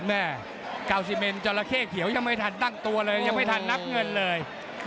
แม่กาวซิเมนจราเข้เขียวยังไม่ทันตั้งตัวเลยยังไม่ทันนับเงินเลย